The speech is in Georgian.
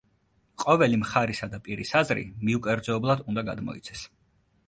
ყოველი მხარისა და პირის აზრი მიუკერძოებლად უნდა გადმოიცეს.